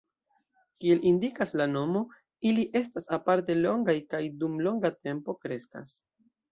Kiel indikas la nomo, ili estas aparte longaj kaj dum longa tempo kreskas.